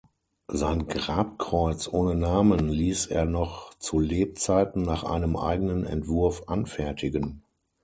Sein Grabkreuz ohne Namen ließ er noch zu Lebzeiten nach einem eigenen Entwurf anfertigen.